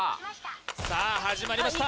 さあ始まりました